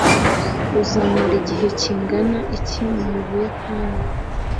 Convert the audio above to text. uzamara igihe kingana iki mu buyapani